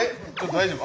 大丈夫？